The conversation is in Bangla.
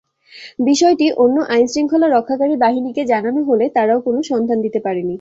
বিষয়টি অন্য আইনশৃঙ্খলা রক্ষাকারী বাহিনীকে জানানো হলে তারাও কোনো সন্ধান দিতে পারেনি।